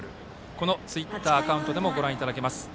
このツイッターアカウントでもご覧いただけます。